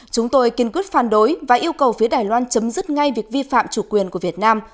chúng tôi kiên quyết phản đối và yêu cầu phía đài loan chấm dứt ngay việc vi phạm chủ quyền của việt nam